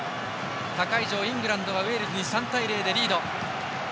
他会場、イングランドはウェールズに３対０でリード。